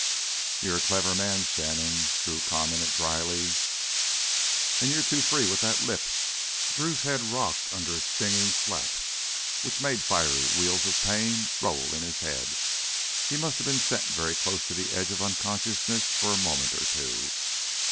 "You're a clever man, Shannon," Drew commented dryly. "An' you're too free with that lip!" Drew's head rocked under a stinging slap which made fiery wheels of pain roll in his head. He must have been sent very close to the edge of unconsciousness for a moment or two.